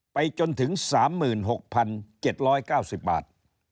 ไปจนถึง๓๖๗๙๐บาท